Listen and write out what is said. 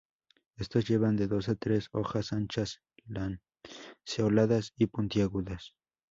Estos llevan de dos a tres hojas anchas, lanceoladas, y puntiagudas.